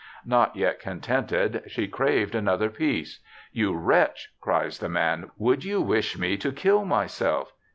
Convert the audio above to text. Not yet contented, she craved another piece. "You wretch," cries the man, "would you wish me to kill myself?